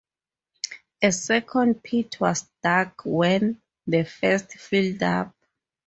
A second pit was dug when the first filled up.